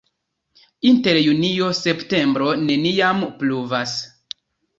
Inter junio-septembro neniam pluvas.